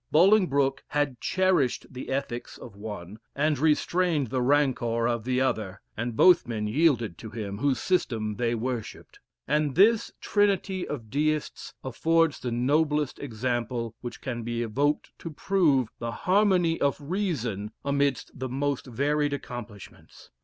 Bolingbroke had cherished the ethics of one, and restrained the rancor of the other and both men yielded to him whose system they worshipped; and this trinity of Deists affords the noblest example which can be evoked to prove the Harmony of Reason amidst the most varied accomplishments.